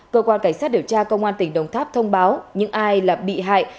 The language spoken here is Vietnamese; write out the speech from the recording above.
cơ quan cảnh sát điều tra công an tỉnh đồng tháp thông báo những ai là bị hại